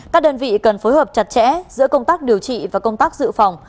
các đơn vị cần phối hợp chặt chẽ giữa công tác điều trị và công tác dự phòng